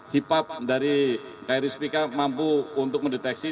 hip up dari kri spk mampu untuk mendeteksi